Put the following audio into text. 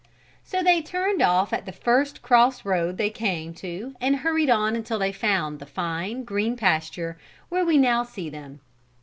So they turned off at the first cross road they came to and hurried on until they found the fine, green pasture where we now see them.